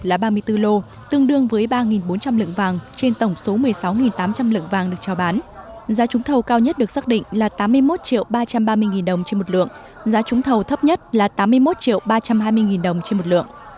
ba bốn trăm linh lượng vàng miếng đã được đấu thầu thành công